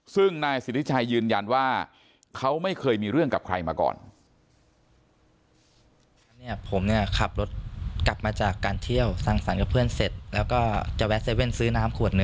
ซึ่งนายสิทธิชัยยืนยันว่าเขาไม่เคยมีเรื่องกับใครมาก่อน